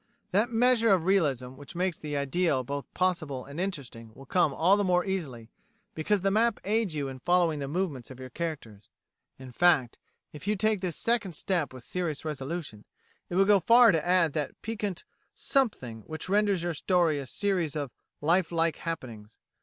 That measure of realism which makes the ideal both possible and interesting will come all the more easily, because the map aids you in following the movements of your characters; in fact, if you take this second step with serious resolution, it will go far to add that piquant something which renders your story a series of life like happenings.